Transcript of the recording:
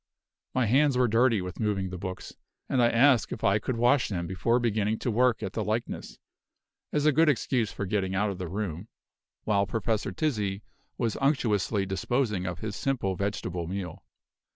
My hands were dirty with moving the books, and I asked if I could wash them before beginning to work at the likeness, as a good excuse for getting out of the room, while Professor Tizzi was unctuously disposing of his simple vegetable meal.